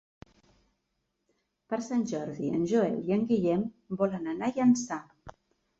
Per Sant Jordi en Joel i en Guillem volen anar a Llançà.